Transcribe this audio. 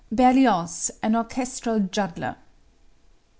Berlioz, an Orchestral Juggler.